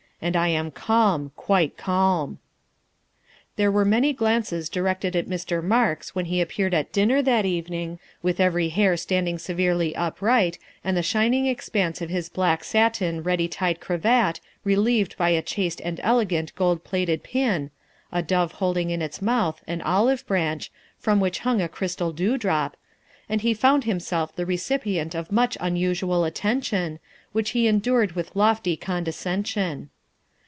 And I am calm quite calm." THE SECRETARY OF STATE 317 There were many glances directed at Mr. Marks when he appeared at dinner that evening, with every hair standing severely upright and the shining expanse of his black satin, ready tied cravat relieved by a chaste and elegant gold plated pin, a dove holding in its mouth an olive branch, from which hung a crystal dew drop, and he found himself the recipient of much unusual attention, w T hich he endured with lofty conde scension.